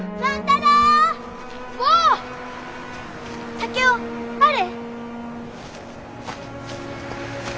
竹雄あれ！